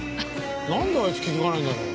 なんであいつ気づかないんだろう？